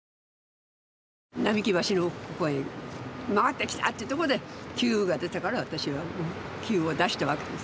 並木橋のとこへ回ってきたというとこでキューが出たから私はキューを出したわけです。